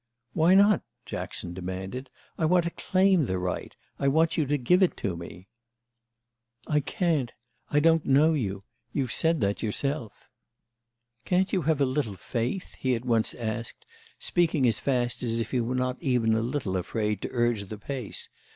"Why not?" Jackson demanded. "I want to claim the right. I want you to give it to me." "I can't—I don't know you. You've said that yourself." "Can't you have a little faith?" he at once asked, speaking as fast as if he were not even a little afraid to urge the pace.